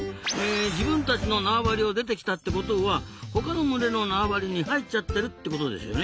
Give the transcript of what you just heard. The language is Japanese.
自分たちの縄張りを出てきたってことは他の群れの縄張りに入っちゃってるってことですよね。